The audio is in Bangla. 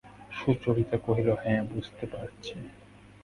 সুচরিতা কহিল, হাঁ, বুঝতে পারছি।